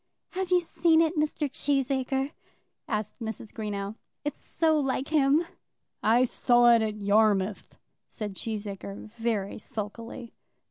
"Have you ever seen it, Mr. Cheesacre?" asked Mrs. Greenow. "It's so like him." "I saw it at Yarmouth," said Cheesacre, very sulkily.